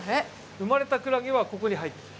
生まれたクラゲはここに入ってる。